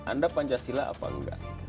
anda pancasila apa enggak